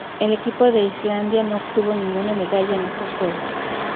El equipo de Islandia no obtuvo ninguna medalla en estos Juegos.